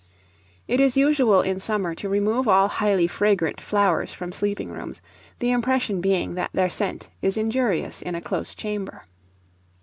It is usual in summer to remove all highly fragrant flowers from sleeping rooms, the impression being that their scent is injurious in a close chamber.